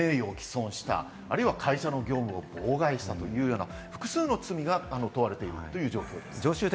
あとは強要、名誉毀損をした、あるいは会社の業務を妨害したというような複数の罪が問われているという状況です。